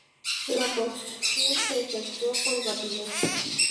La construcción se efectuó con rapidez.